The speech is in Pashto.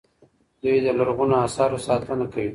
دوی د لرغونو اثارو ساتنه کوي.